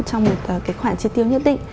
trong một khoản tri tiêu nhất định